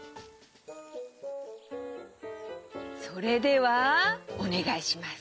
それではおねがいします。